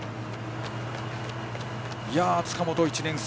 塚本、１年生。